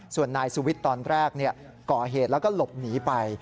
ส่วนนายสุวิทย์ตอนแรกก่อเหตุแล้วก็หลบหนีไป